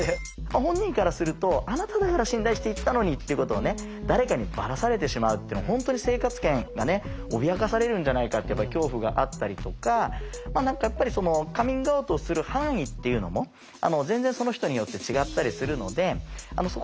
本人からするとあなただから信頼して言ったのにっていうことを誰かにばらされてしまうっていうのは本当に生活圏が脅かされるんじゃないかっていう恐怖があったりとか何かやっぱりカミングアウトをする範囲っていうのも全然その人によって違ったりするのでそこだけはご注意頂きたいんですけど。